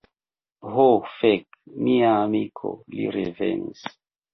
Ho fek. Mia amiko, li revenis.